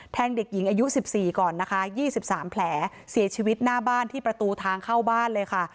เด็กหญิงอายุ๑๔ก่อนนะคะ๒๓แผลเสียชีวิตหน้าบ้านที่ประตูทางเข้าบ้านเลยค่ะ